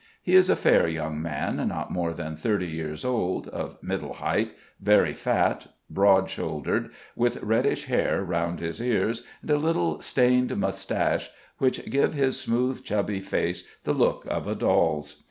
He is a fair young man, not more than thirty years old, of middle height, very fat, broad shouldered, with reddish hair round his ears and a little stained moustache, which give his smooth chubby face the look of a doll's.